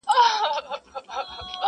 o زه شاعر سړی یم بې الفاظو نور څه نه لرم,